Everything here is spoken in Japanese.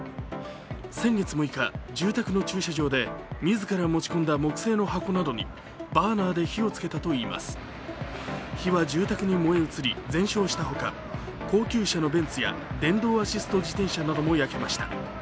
先月６日、住宅の駐車場で自ら持ち込んだ木製の箱などにバーナーで火をつけたといいます、火は住宅に燃え移り全焼したほか高級車のベンツや電動アシスト自転車なども焼けました。